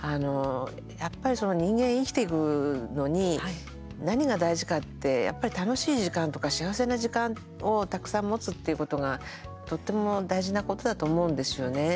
やっぱり人間、生きてくのに何が大事かって楽しい時間とか幸せな時間をたくさん持つっていうことがとっても大事なことだと思うんですよね。